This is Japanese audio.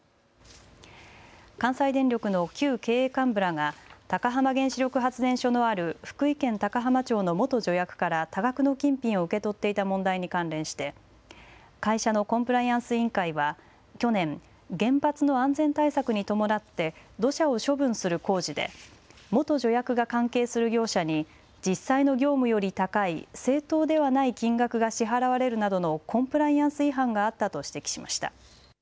関西電力の旧経営幹部らが高浜原子力発電所のある福井県高浜町の元助役から多額の金品を受け取っていた問題に関連して会社のコンプライアンス委員会は去年、原発の安全対策に伴って土砂を処分する工事で元助役が関係する業者に実際の業務より高い正当ではない金額が支払われるなどのコンプライアンス違反があったと指摘しました。